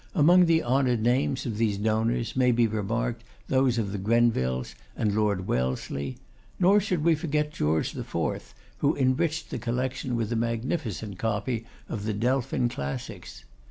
Among the honoured names of these donors may be remarked those of the Grenvilles and Lord Wellesley; nor should we forget George IV., who enriched the collection with a magnificent copy of the Delphin Classics.